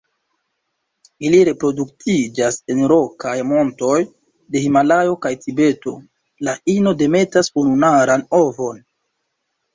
Ili reproduktiĝas en rokaj montoj de Himalajo kaj Tibeto; la ino demetas ununuran ovon.